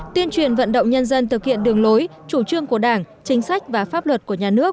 tuyên truyền vận động nhân dân thực hiện đường lối chủ trương của đảng chính sách và pháp luật của nhà nước